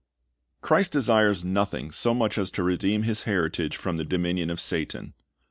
Christ desires nothing so much as to redeem His heritage from the dominion of Satan.